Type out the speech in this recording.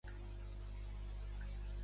Telefona al Nathan Cordeiro.